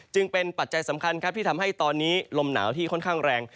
จึงเป็นปัจจัยสำคัญครับที่ทำให้ตอนนี้ลมหนาวที่ค่อนข้างแรง